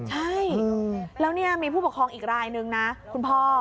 ใช่แล้วเนี่ยมีผู้ปกครองอีกรายนึงนะคุณพ่อ